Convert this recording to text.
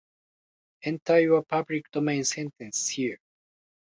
Enter your public domain sentence here